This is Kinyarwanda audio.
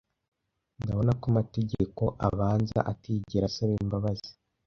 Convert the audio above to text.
Ndabona ko amategeko abanza atigera asaba imbabazi,